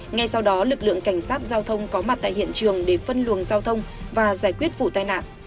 ngay sau đó lực lượng cảnh sát giao thông có mặt tại hiện trường để phân luồng giao thông và giải quyết vụ tai nạn